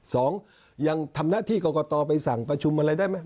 สองยังทำหน้าที่กรกตไปสั่งประชุมอะไรได้ไหม